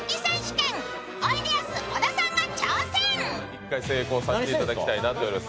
一回成功させていただきたいなと思います。